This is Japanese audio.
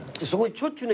ちょっちゅね